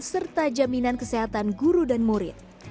serta jaminan kesehatan guru dan murid